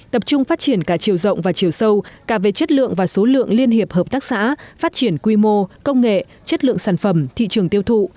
tập trung phát triển cả chiều rộng và chiều sâu cả về chất lượng và số lượng liên hiệp hợp tác xã phát triển quy mô công nghệ chất lượng sản phẩm thị trường tiêu thụ